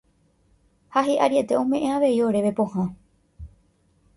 Ha hi'ariete ome'ẽ avei oréve pohã.